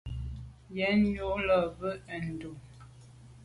Yen ju là be à ndù.